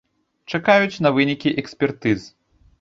Чакаюць на вынікі экспертыз.